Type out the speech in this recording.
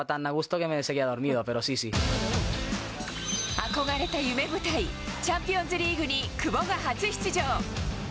憧れた夢舞台、チャンピオンズリーグに久保が初出場。